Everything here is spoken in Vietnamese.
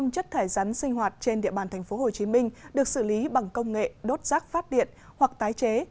tám mươi chất thải rắn sinh hoạt trên địa bàn tp hcm được xử lý bằng công nghệ đốt rác phát điện hoặc tái chế